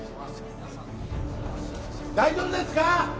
大丈夫ですか！